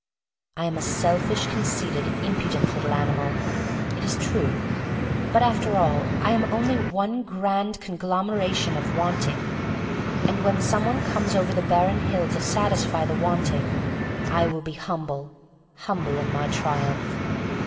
I am a selfish, conceited, impudent little animal, it is true, but, after all, I am only one grand conglomeration of Wanting — and when some one comes over the barren hill to satisfy the want ing, I will be humble, humble in my triumph.